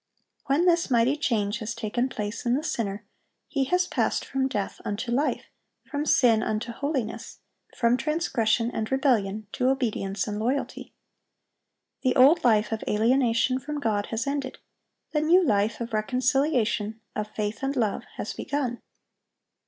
When this mighty change has taken place in the sinner, he has passed from death unto life, from sin unto holiness, from transgression and rebellion to obedience and loyalty. The old life of alienation from God has ended; the new life of reconciliation, of faith and love, has begun.